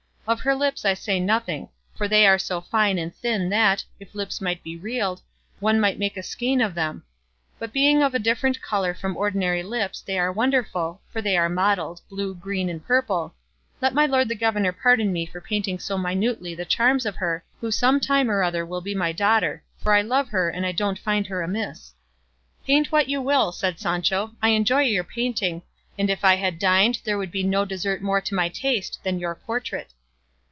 Of her lips I say nothing, for they are so fine and thin that, if lips might be reeled, one might make a skein of them; but being of a different colour from ordinary lips they are wonderful, for they are mottled, blue, green, and purple let my lord the governor pardon me for painting so minutely the charms of her who some time or other will be my daughter; for I love her, and I don't find her amiss." "Paint what you will," said Sancho; "I enjoy your painting, and if I had dined there could be no dessert more to my taste than your portrait."